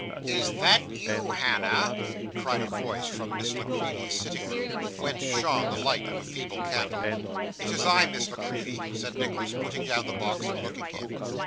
'Is that you, Hannah?' cried a voice from Miss La Creevy's sitting room, whence shone the light of a feeble candle. 'It is I, Miss La Creevy,' said Nicholas, putting down the box and looking in.